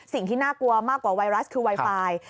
สิ่งที่น่ากลัวมากกว่าไวรัสคือไวไฟ